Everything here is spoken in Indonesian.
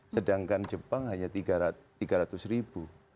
sedangkan jepang hanya tiga ratus ribu